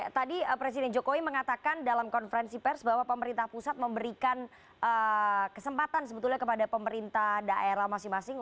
tadi presiden jokowi mengatakan dalam konferensi pers bahwa pemerintah pusat memberikan kesempatan sebetulnya kepada pemerintah daerah masing masing